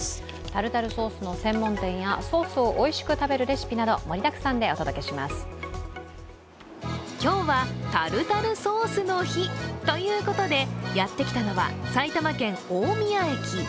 タルタルソースの専門店やソースをおいしく食べるレシピなど今日はタルタルソースの日ということで、やってきたのは埼玉県大宮駅。